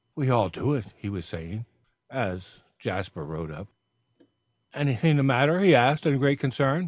"We all do it," he was saying, as Jasper rode up. "Anything the matter?" he asked in great concern.